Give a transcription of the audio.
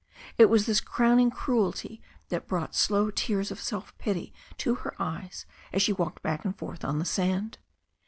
It was this crowning cruelty that brought slow tears of self pity to her eyes as she walked back and forth on the sand.